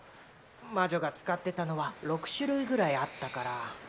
魔女が使ってたのは６種類ぐらいあったから。